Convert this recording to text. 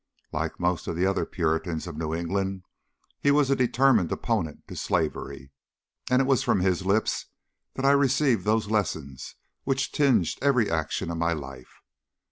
Like most of the other Puritans of New England, he was a determined opponent to slavery, and it was from his lips that I received those lessons which tinged every action of my life.